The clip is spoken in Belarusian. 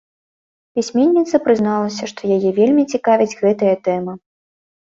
Пісьменніца прызналася, што яе вельмі цікавіць гэтая тэма.